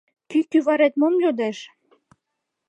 Кӱ кӱварет мом йодеш?